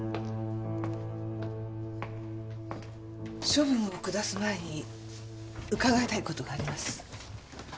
処分を下す前に伺いたい事があります。